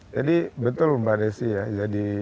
jadi betul mbak desi ya jadi